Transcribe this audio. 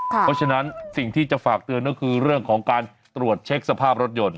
เพราะฉะนั้นสิ่งที่จะฝากเตือนก็คือเรื่องของการตรวจเช็คสภาพรถยนต์